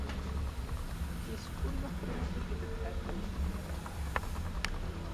Yesfulluḥ ṭumaṭic deg tebḥirt-nni.